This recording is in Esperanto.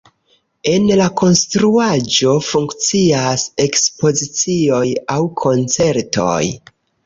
En la konstruaĵo funkcias ekspozicioj aŭ koncertoj.